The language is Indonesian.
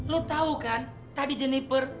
lo tau kan tadi jennifer